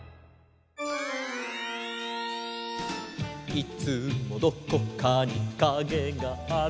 「いつもどこかにカゲがある」